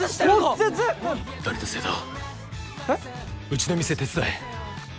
うちの店手伝え。